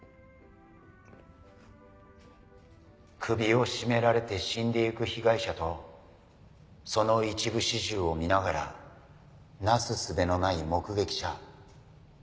「首を絞められて死んで行く被害者とその一部始終を見ながらなすすべのない目撃者。